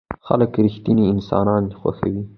خلک رښتيني انسانان خوښوي.